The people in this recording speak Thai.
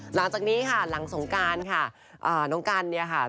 หลังจากนี้ค่ะหลังสงการค่ะน้องกันเนี่ยค่ะ